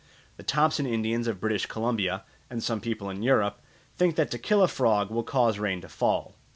The Thompson Indians of British Columbia and some people in Europe think that to kill a frog will cause rain to fall.